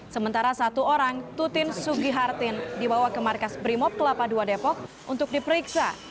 sementara satu orang tutin sugihartin dibawa ke markas brimob kelapa dua depok untuk diperiksa